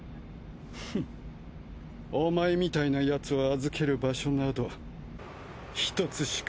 フンお前みたいなやつを預ける場所など一つしかない。